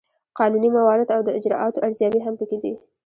قانوني موارد او د اجرااتو ارزیابي هم پکې دي.